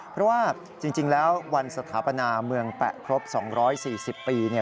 เพราะว่าจริงแล้ววันสถาปนาเมืองแปะครบ๒๔๐ปี